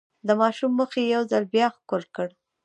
د ماشوم مخ يې يو ځل بيا ښکل کړ.